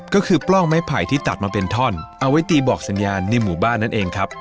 ก็คือปล้องไม้ไผ่ที่ตัดมาเป็นท่อนเอาไว้ตีบอกสัญญาณในหมู่บ้านนั่นเองครับ